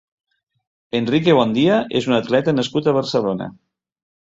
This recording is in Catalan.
Enrique Bondia és un atleta nascut a Barcelona.